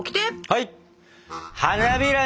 はい！